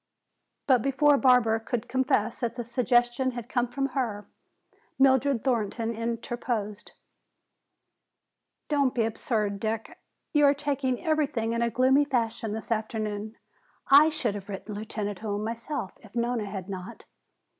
But before Barbara could confess that the suggestion had come from her, Mildred Thornton interposed. "Don't be absurd, Dick. You are taking everything in a gloomy fashion this afternoon. I should have written Lieutenant Hume myself if Nona had not.